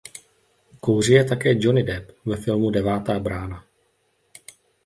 Kouří je také Johnny Depp ve filmu "Devátá brána".